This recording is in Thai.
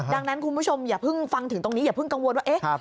ดังนั้นคุณผู้ชมอย่าเพิ่งฟังถึงตรงนี้อย่าเพิ่งกังวลว่าเอ๊ะ